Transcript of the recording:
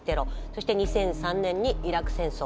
そして２００３年にイラク戦争。